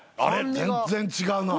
全然違うなあ。